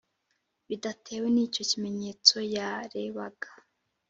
bidatewe n’icyo kimenyetso yarebaga,